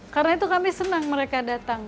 karena itu kami senang mereka datang